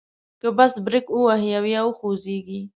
که بس بریک ووهي او یا وخوځیږي.